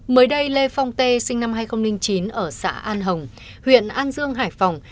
mới đây lê phong tê sinh năm hai nghìn chín ở xã an hồng huyện an dương hải phòng